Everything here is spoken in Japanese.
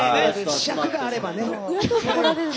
尺があればね。